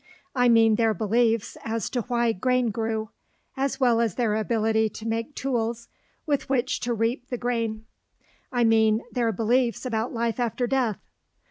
I mean their beliefs as to why grain grew, as well as their ability to make tools with which to reap the grain. I mean their beliefs about life after death.